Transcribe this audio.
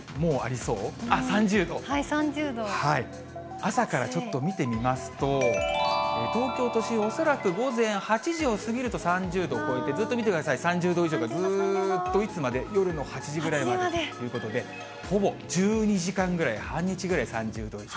朝からちょっと見てみますと、東京都心、恐らく午前８時を過ぎると３０度を超えて、ずっと見てください、３０度以上がずっといつまで、夜の８時ぐらいまでということで、ほぼ１２時間ぐらい、半日ぐらい３０度以上。